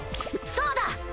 そうだ！